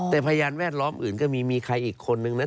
แต่พยานแวดล้อมอื่นก็มีมีใครอีกคนนึงนะ